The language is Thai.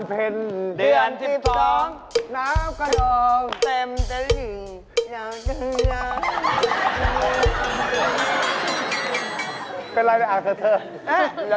เป็นไรนะอัลเตอร์เทิร์